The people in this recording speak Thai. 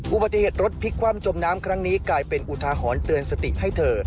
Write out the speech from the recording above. อุบัติเหตุรถพลิกคว่ำจมน้ำครั้งนี้กลายเป็นอุทาหรณ์เตือนสติให้เธอ